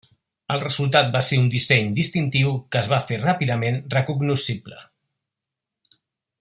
El resultat va ser un disseny distintiu que es va fer ràpidament recognoscible.